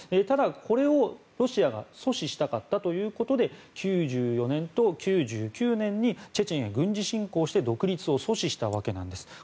ただ、これをロシアが阻止したかったということで９４年と９９年にチェチェンへ軍事侵攻して独立を阻止したわけなんです。